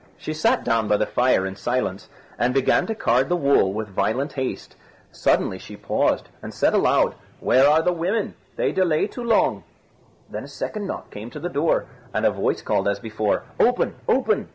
She sat down by the fire in silence, and began to card the wool with violent haste. Suddenly she paused, and said aloud: "Where are the women? they delay too long." Then a second knock came to the door, and a voice called as before, "Open! open!"